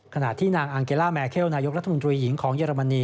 ขณะที่นางอังเกล่าแมเคลนายกรัฐมนตรีหญิงของเยอรมนี